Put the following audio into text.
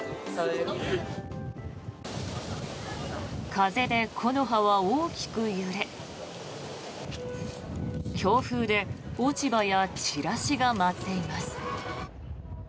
風で木の葉は大きく揺れ強風で落ち葉やチラシが舞っています。